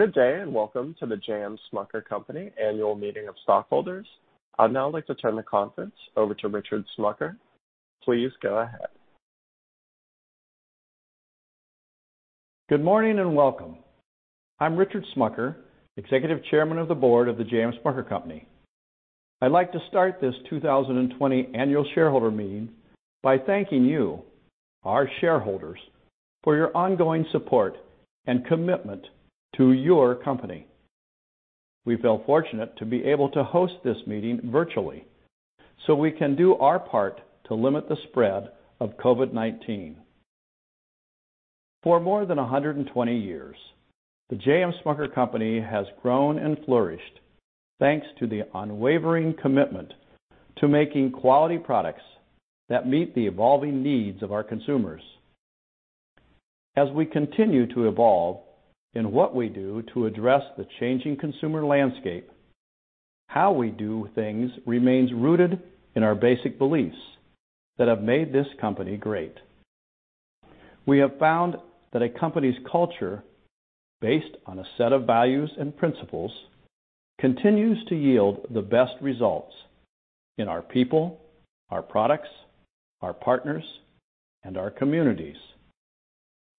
Good day, and welcome to the J. M. Smucker Company annual meeting of stockholders. I'd now like to turn the conference over to Richard Smucker. Please go ahead. Good morning and welcome. I'm Richard Smucker, Executive Chairman of the Board of the J. M. Smucker Company. I'd like to start this 2020 annual shareholder meeting by thanking you, our shareholders, for your ongoing support and commitment to your company. We feel fortunate to be able to host this meeting virtually so we can do our part to limit the spread of COVID-19. For more than 120 years, the J. M. Smucker Company has grown and flourished thanks to the unwavering commitment to making quality products that meet the evolving needs of our consumers. As we continue to evolve in what we do to address the changing consumer landscape, how we do things remains rooted in our basic beliefs that have made this company great. We have found that a company's culture, based on a set of values and principles, continues to yield the best results in our people, our products, our partners, and our communities,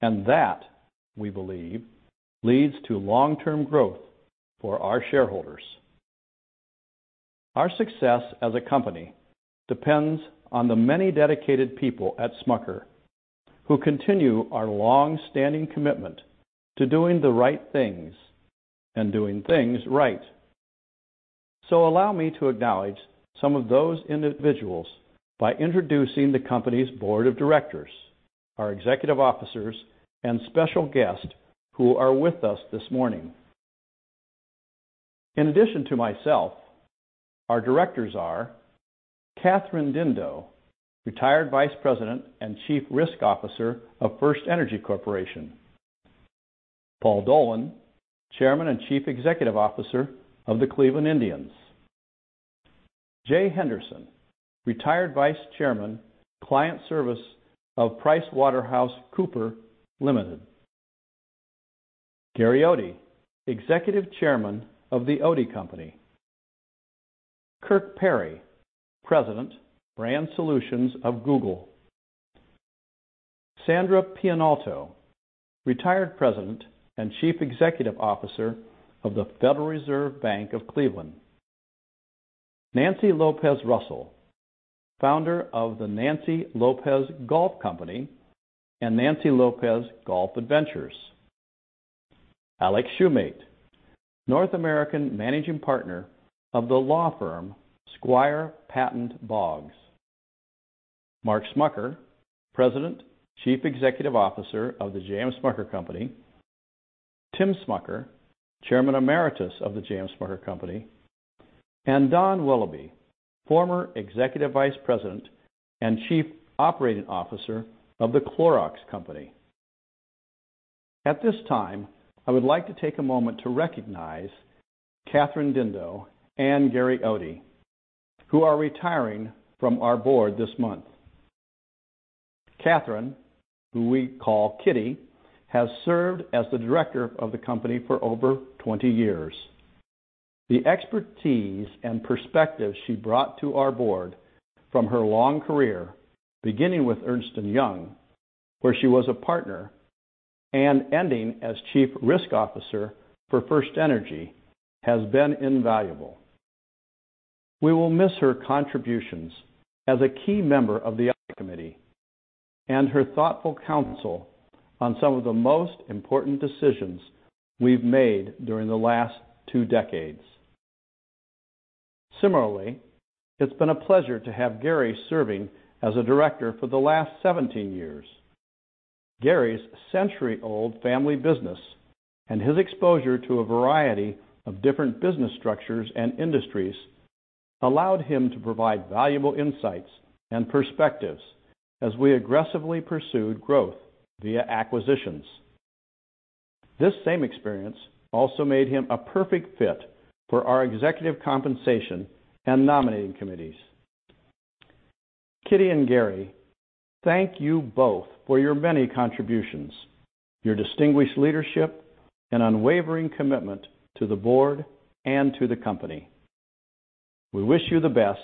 and that, we believe, leads to long-term growth for our shareholders. Our success as a company depends on the many dedicated people at Smucker's who continue our long-standing commitment to doing the right things and doing things right, so allow me to acknowledge some of those individuals by introducing the company's board of directors, our executive officers, and special guests who are with us this morning. In addition to myself, our directors are Kathryn Dindo, retired Vice President and Chief Risk Officer of FirstEnergy Corporation, Paul Dolan, Chairman and Chief Executive Officer of the Cleveland Indians, Jay Henderson, retired Vice Chairman, Client Service of PricewaterhouseCoopers, Gary Oatey, Executive Chairman of the Oatey Company, Kirk Perry, President, Brand Solutions of Google, Sandra Pianalto, retired President and Chief Executive Officer of the Federal Reserve Bank of Cleveland, Nancy Lopez Russell, Founder of the Nancy Lopez Golf Company and Nancy Lopez Golf Adventures, Alex Shumate, North American Managing Partner of the law firm Squire Patton Boggs, Mark Smucker, President, Chief Executive Officer of the J. M. Smucker Company, Tim Smucker, Chairman Emeritus of the J. M. Smucker Company, and Dawn Willoughby, former Executive Vice President and Chief Operating Officer of the Clorox Company. At this time, I would like to take a moment to recognize Kathryn Dindo and Gary Oatey, who are retiring from our board this month. Kathryn, who we call Kitty, has served as the Director of the Company for over 20 years. The expertise and perspective she brought to our board from her long career, beginning with Ernst & Young, where she was a partner, and ending as Chief Risk Officer for FirstEnergy, has been invaluable. We will miss her contributions as a key member of the committee and her thoughtful counsel on some of the most important decisions we've made during the last two decades. Similarly, it's been a pleasure to have Gary serving as a Director for the last 17 years. Gary's century-old family business and his exposure to a variety of different business structures and industries allowed him to provide valuable insights and perspectives as we aggressively pursued growth via acquisitions. This same experience also made him a perfect fit for our executive compensation and nominating committees. Kitty and Gary, thank you both for your many contributions, your distinguished leadership, and unwavering commitment to the board and to the company. We wish you the best,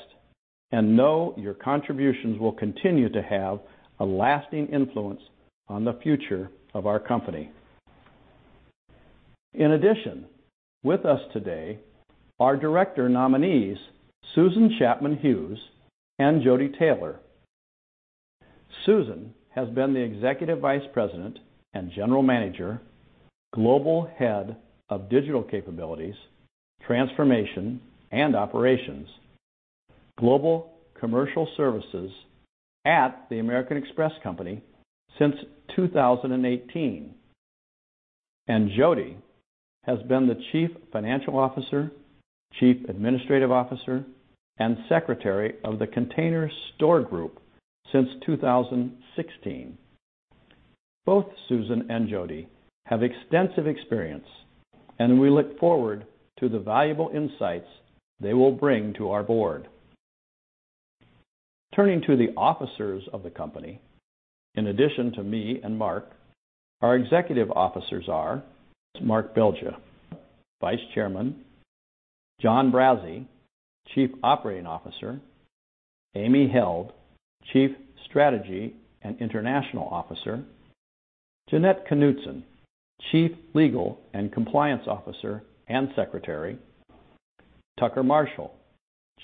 and know your contributions will continue to have a lasting influence on the future of our company. In addition, with us today are Director Nominees Susan Chapman-Hughes and Jodi Taylor. Susan has been the Executive Vice President and General Manager, Global Head of Digital Capabilities, Transformation, and Operations, Global Commercial Services at the American Express Company since 2018, and Jodi has been the Chief Financial Officer, Chief Administrative Officer, and Secretary of the Container Store Group since 2016. Both Susan and Jodi have extensive experience, and we look forward to the valuable insights they will bring to our board. Turning to the officers of the company, in addition to me and Mark, our Executive Officers are Mark Belgya, Vice Chairman, John Brase, Chief Operating Officer, Amy Held, Chief Strategy and International Officer, Jeannette Knudsen, Chief Legal and Compliance Officer and Secretary, Tucker Marshall,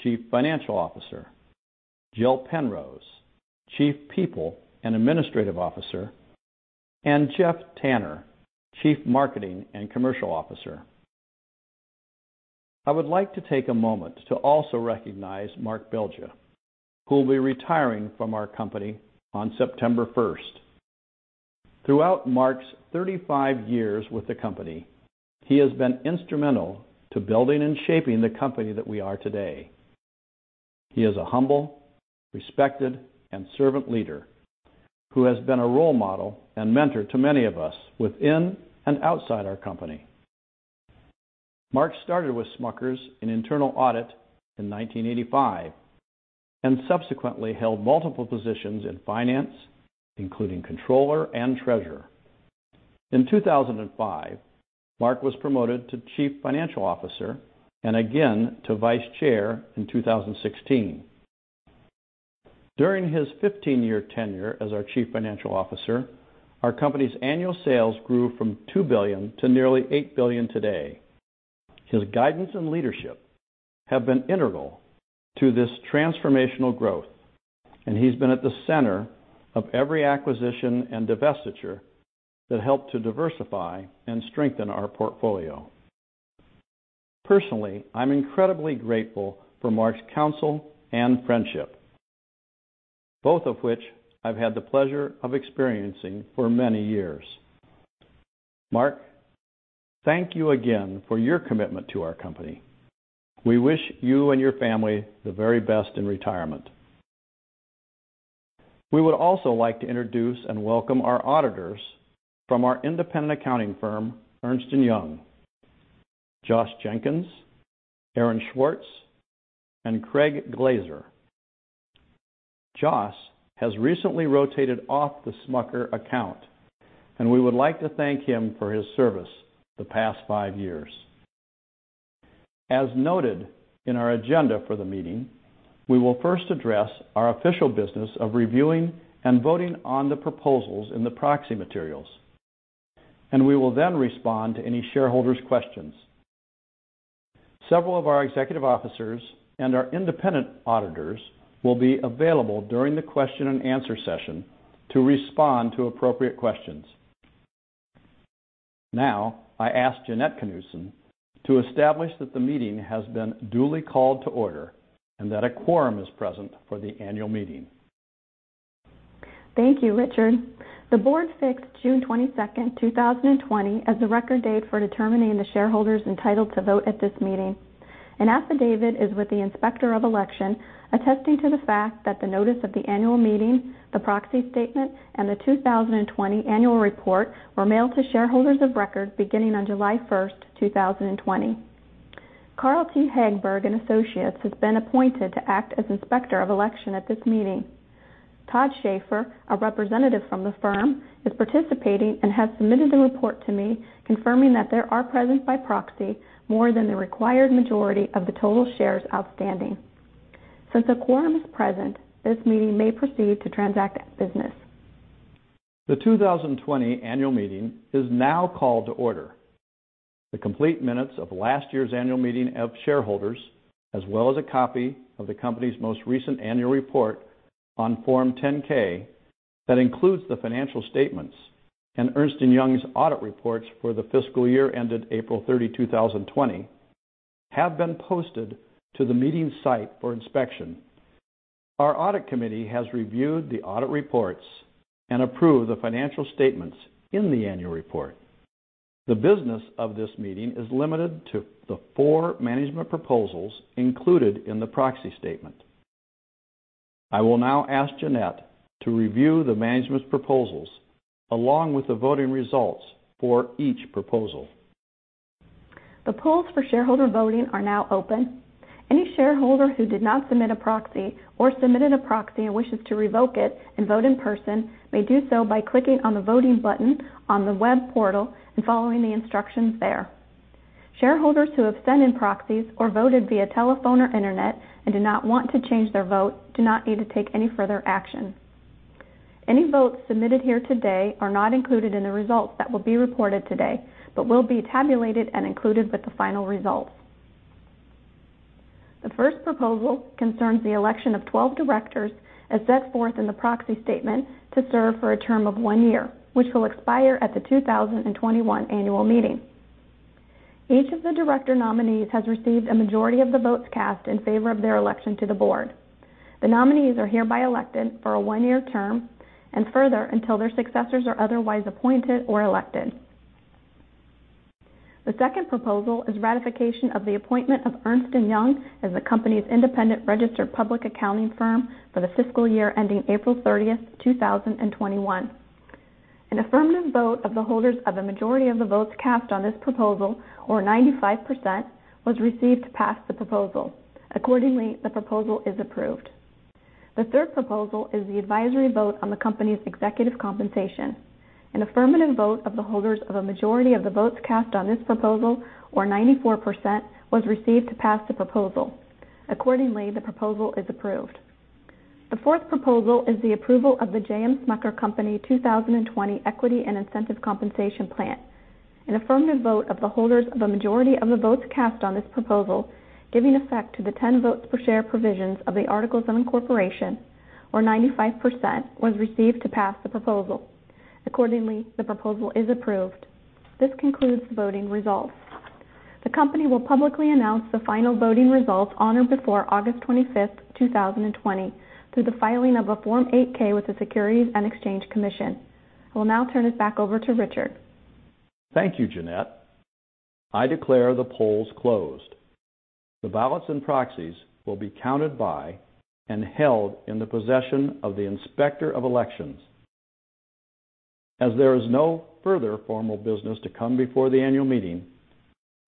Chief Financial Officer, Jill Penrose, Chief People and Administrative Officer, and Geoff Tanner, Chief Marketing and Commercial Officer. I would like to take a moment to also recognize Mark Belgya, who will be retiring from our company on September 1st. Throughout Mark's 35 years with the company, he has been instrumental to building and shaping the company that we are today. He is a humble, respected, and servant leader who has been a role model and mentor to many of us within and outside our company. Mark started with Smucker's in internal audit in 1985 and subsequently held multiple positions in finance, including Controller and Treasurer. In 2005, Mark was promoted to Chief Financial Officer and again to Vice Chair in 2016. During his 15-year tenure as our Chief Financial Officer, our company's annual sales grew from $2 billion to nearly $8 billion today. His guidance and leadership have been integral to this transformational growth, and he's been at the center of every acquisition and divestiture that helped to diversify and strengthen our portfolio. Personally, I'm incredibly grateful for Mark's counsel and friendship, both of which I've had the pleasure of experiencing for many years. Mark, thank you again for your commitment to our company. We wish you and your family the very best in retirement. We would also like to introduce and welcome our auditors from our independent accounting firm, Ernst & Young: Josh Jenkins, Aaron Swartz, and Craig Glazier. Josh has recently rotated off the Smucker account, and we would like to thank him for his service the past five years. As noted in our agenda for the meeting, we will first address our official business of reviewing and voting on the proposals in the proxy materials, and we will then respond to any shareholders' questions. Several of our executive officers and our independent auditors will be available during the question and answer session to respond to appropriate questions. Now, I ask Jeannette Knudsen to establish that the meeting has been duly called to order and that a quorum is present for the annual meeting. Thank you, Richard. The board fixed June 22nd, 2020, as the record date for determining the shareholders entitled to vote at this meeting. An affidavit is with the Inspector of Election attesting to the fact that the notice of the annual meeting, the proxy statement, and the 2020 annual report were mailed to shareholders of record beginning on July 1st, 2020. Carl T. Hagberg and Associates has been appointed to act as Inspector of Election at this meeting. Todd Schaefer, a representative from the firm, is participating and has submitted the report to me, confirming that there are present by proxy more than the required majority of the total shares outstanding. Since a quorum is present, this meeting may proceed to transact business. The 2020 annual meeting is now called to order. The complete minutes of last year's annual meeting of shareholders, as well as a copy of the company's most recent annual report on Form 10-K that includes the financial statements and Ernst & Young's audit reports for the fiscal year ended April 30, 2020, have been posted to the meeting site for inspection. Our audit committee has reviewed the audit reports and approved the financial statements in the annual report. The business of this meeting is limited to the four management proposals included in the proxy statement. I will now ask Jeannette to review the management proposals along with the voting results for each proposal. The polls for shareholder voting are now open. Any shareholder who did not submit a proxy or submitted a proxy and wishes to revoke it and vote in person may do so by clicking on the voting button on the web portal and following the instructions there. Shareholders who have sent in proxies or voted via telephone or internet and do not want to change their vote do not need to take any further action. Any votes submitted here today are not included in the results that will be reported today but will be tabulated and included with the final results. The first proposal concerns the election of 12 directors as set forth in the proxy statement to serve for a term of one year, which will expire at the 2021 annual meeting. Each of the director nominees has received a majority of the votes cast in favor of their election to the board. The nominees are hereby elected for a one-year term and further until their successors are otherwise appointed or elected. The second proposal is ratification of the appointment of Ernst & Young as the company's independent registered public accounting firm for the fiscal year ending April 30th, 2021. An affirmative vote of the holders of a majority of the votes cast on this proposal, or 95%, was received to pass the proposal. Accordingly, the proposal is approved. The third proposal is the advisory vote on the company's executive compensation. An affirmative vote of the holders of a majority of the votes cast on this proposal, or 94%, was received to pass the proposal. Accordingly, the proposal is approved. The fourth proposal is the approval of the J. M. Smucker Company 2020 Equity and Incentive Compensation Plan. An affirmative vote of the holders of a majority of the votes cast on this proposal, giving effect to the 10 votes per share provisions of the articles of incorporation, or 95%, was received to pass the proposal. Accordingly, the proposal is approved. This concludes the voting results. The company will publicly announce the final voting results on or before August 25th, 2020, through the filing of a Form 8-K with the Securities and Exchange Commission. I will now turn it back over to Richard. Thank you, Jeannette. I declare the polls closed. The ballots and proxies will be counted by, and held in the possession of the Inspector of Elections. As there is no further formal business to come before the annual meeting,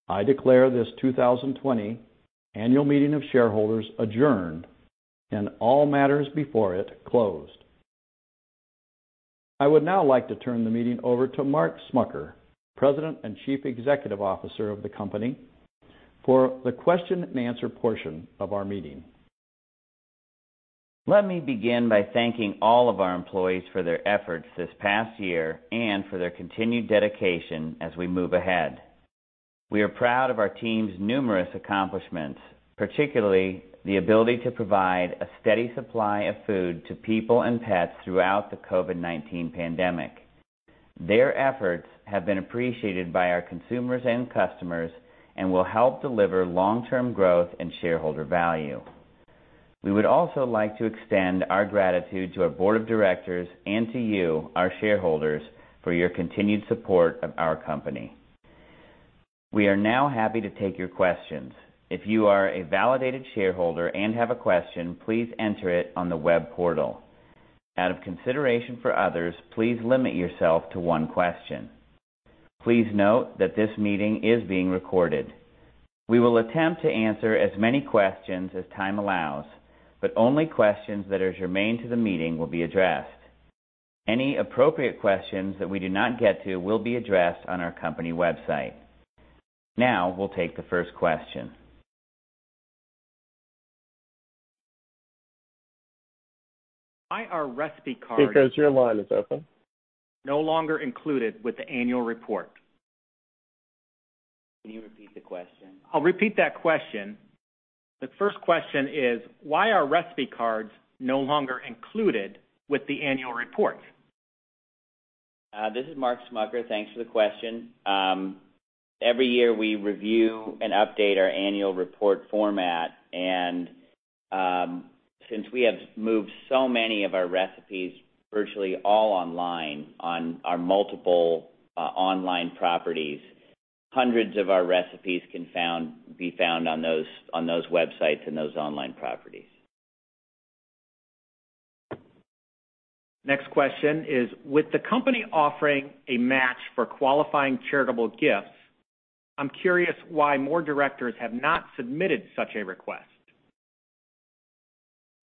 I declare this 2020 annual meeting of shareholders adjourned, and all matters before it closed. I would now like to turn the meeting over to Mark Smucker, President and Chief Executive Officer of the company, for the question and answer portion of our meeting. Let me begin by thanking all of our employees for their efforts this past year and for their continued dedication as we move ahead. We are proud of our team's numerous accomplishments, particularly the ability to provide a steady supply of food to people and pets throughout the COVID-19 pandemic. Their efforts have been appreciated by our consumers and customers and will help deliver long-term growth and shareholder value. We would also like to extend our gratitude to our board of directors and to you, our shareholders, for your continued support of our company. We are now happy to take your questions. If you are a validated shareholder and have a question, please enter it on the web portal. Out of consideration for others, please limit yourself to one question. Please note that this meeting is being recorded. We will attempt to answer as many questions as time allows, but only questions that are germane to the meeting will be addressed. Any appropriate questions that we do not get to will be addressed on our company website. Now, we'll take the first question. Why are recipe cards? Because your line is open. No longer included with the annual report? Can you repeat the question? I'll repeat that question. The first question is, why are recipe cards no longer included with the annual report? This is Mark Smucker. Thanks for the question. Every year we review and update our annual report format, and since we have moved so many of our recipes virtually all online on our multiple online properties, hundreds of our recipes can be found on those websites and those online properties. Next question is, with the company offering a match for qualifying charitable gifts, I'm curious why more directors have not submitted such a request?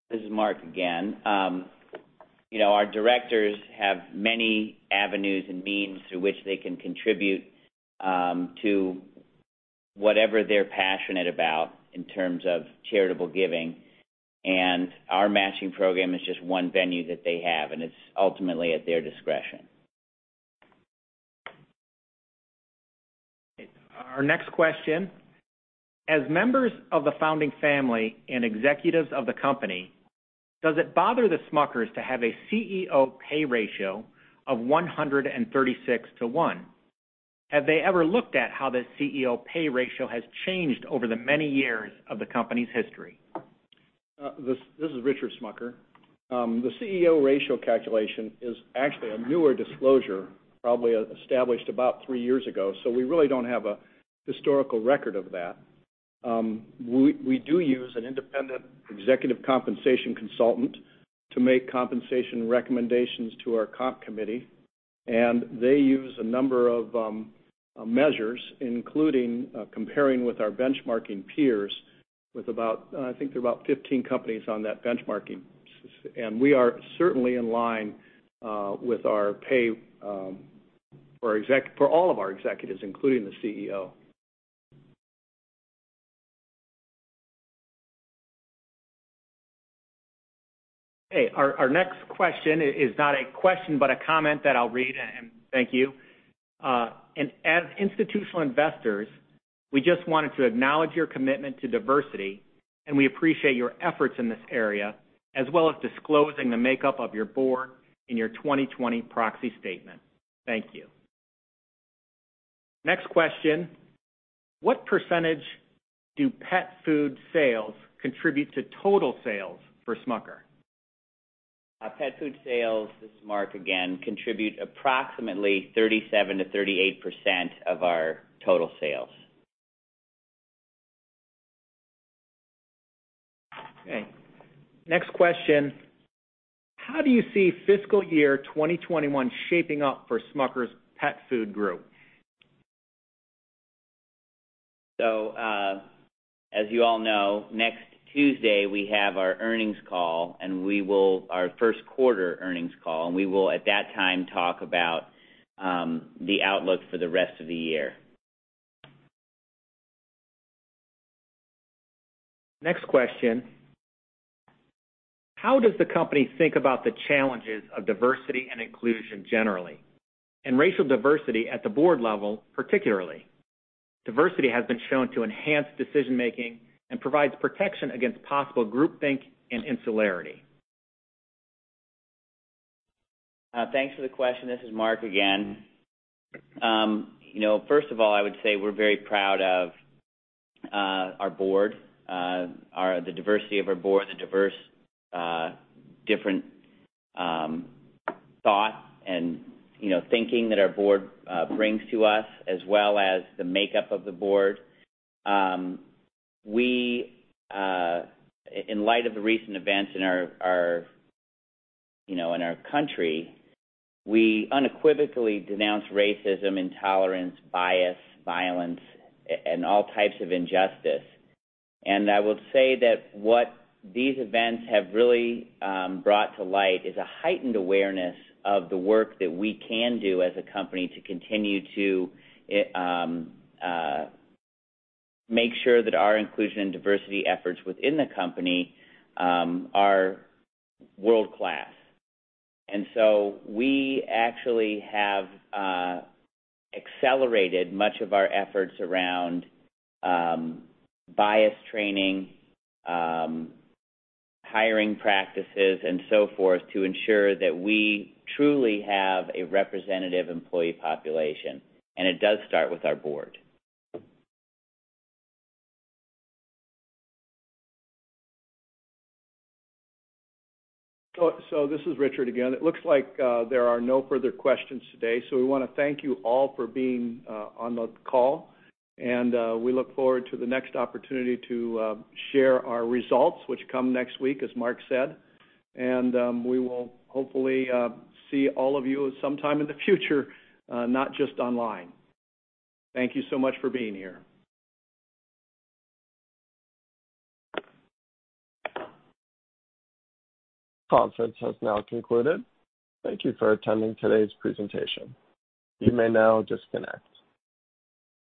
This is Mark again. Our directors have many avenues and means through which they can contribute to whatever they're passionate about in terms of charitable giving, and our matching program is just one venue that they have, and it's ultimately at their discretion. Our next question: As members of the founding family and executives of the company, does it bother the Smuckers to have a CEO pay ratio of 136 to 1? Have they ever looked at how the CEO pay ratio has changed over the many years of the company's history? This is Richard Smucker. The CEO ratio calculation is actually a newer disclosure, probably established about three years ago, so we really don't have a historical record of that. We do use an independent executive compensation consultant to make compensation recommendations to our comp committee, and they use a number of measures, including comparing with our benchmarking peers with about, I think they're about 15 companies on that benchmarking, and we are certainly in line with our pay for all of our executives, including the CEO. Hey, our next question is not a question but a comment that I'll read, and thank you. As institutional investors, we just wanted to acknowledge your commitment to diversity, and we appreciate your efforts in this area, as well as disclosing the makeup of your board in your 2020 proxy statement. Thank you. Next question: What percentage do pet food sales contribute to total sales for Smucker? Pet food sales, this is Mark again, contribute approximately 37%-38% of our total sales. Okay. Next question: How do you see fiscal year 2021 shaping up for Smucker's pet food group? As you all know, next Tuesday we have our earnings call, our first quarter earnings call, and we will at that time talk about the outlook for the rest of the year. Next question: How does the company think about the challenges of diversity and inclusion generally, and racial diversity at the board level particularly? Diversity has been shown to enhance decision-making and provides protection against possible groupthink and insularity. Thanks for the question. This is Mark again. First of all, I would say we're very proud of our board, the diversity of our board, the diverse different thought and thinking that our board brings to us, as well as the makeup of the board. We, in light of the recent events in our country, we unequivocally denounce racism, intolerance, bias, violence, and all types of injustice. And I will say that what these events have really brought to light is a heightened awareness of the work that we can do as a company to continue to make sure that our inclusion and diversity efforts within the company are world-class. And so we actually have accelerated much of our efforts around bias training, hiring practices, and so forth to ensure that we truly have a representative employee population, and it does start with our board. So this is Richard again. It looks like there are no further questions today, so we want to thank you all for being on the call, and we look forward to the next opportunity to share our results, which come next week, as Mark said, and we will hopefully see all of you sometime in the future, not just online. Thank you so much for being here. Conference has now concluded. Thank you for attending today's presentation. You may now disconnect.